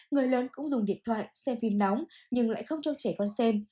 người lớn cũng dùng điện thoại xem phim nóng nhưng lại không cho trẻ con xem